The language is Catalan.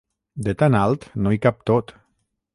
De tan alt no hi cap tot.